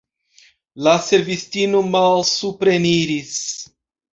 La servistino malsupreniris.